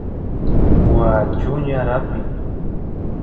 waa chuñar apin